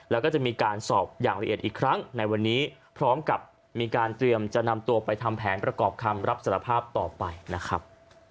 แล้วก็จะมีการสอบอย่างละเอียดอีกครั้งในวันนี้พร้อมกับมีการเตรียมจะนำตัวไปทำแผนประกอบคำรับสารภาพต่อไปนะครับ